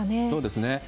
そうですね。